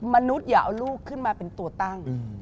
มนุษย์อย่าเอาลูกขึ้นมาเป็นตัวตั้ง